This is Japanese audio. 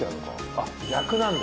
あっ逆なんだ。